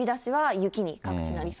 雪。